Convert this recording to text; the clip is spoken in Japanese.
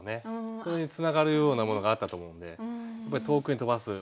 それにつながるようなものがあったと思うんでやっぱり遠くに飛ばす。